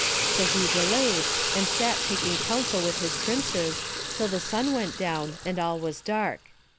So he delayed, and sat taking counsel with his princes, till the sun went down and all was dark.